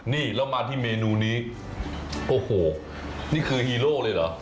นี่แล้วมาที่เมนูนี้โอ้โหนี่คือฮีโร่เลยเหรอ